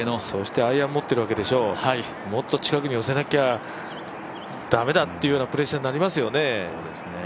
そしてアイアン持ってるわけでしょう、もっと近くに寄せなきゃ駄目だというプレッシャーになりますよね。